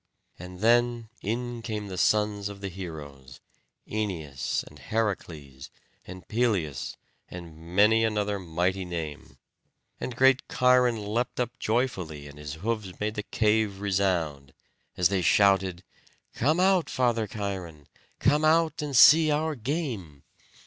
And then in came the sons of the heroes, Æneas, and Heracles, and Peleus, and many another mighty name. And great Cheiron leapt up joyfully, and his hoofs made the cave resound, as they shouted, "Come out, Father Cheiron; come out and see our game."